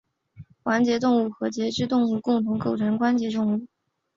环节动物和节肢动物共同构成关节动物。